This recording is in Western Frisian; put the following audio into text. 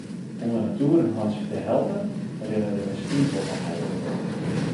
Om de natoer in hantsje te helpen rinne der wer skiep op de heide.